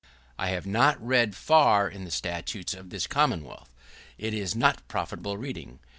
I have not read far in the statutes of this Commonwealth. It is not profitable reading.